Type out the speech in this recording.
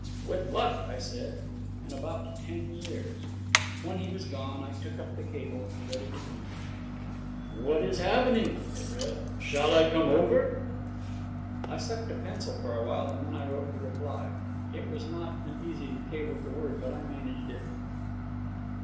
'With luck,' I said, 'in about ten years.' When he was gone I took up the cable and read it again. 'What is happening?' it read. 'Shall I come over?' I sucked a pencil for a while, and then I wrote the reply. It was not an easy cable to word, but I managed it.